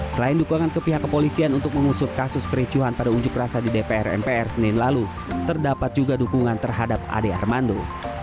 selain dukungan ke pihak kepolisian untuk mengusut kasus kericuhan pada unjuk rasa di dpr mpr senin lalu terdapat juga dukungan terhadap ade armando